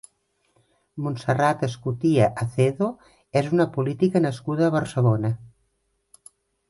Montserrat Escutia Acedo és una política nascuda a Barcelona.